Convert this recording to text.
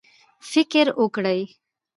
فکر وکړئ